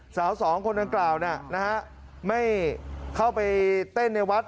สาวสองคนดังกล่าวนะฮะไม่เข้าไปเต้นในวัด